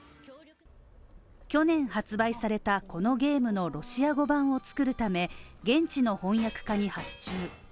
去年発売されたこのゲームのロシア語版を作るため、現地の翻訳家に発注。